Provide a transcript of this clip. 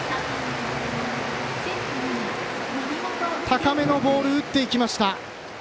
高めのボール打っていきました。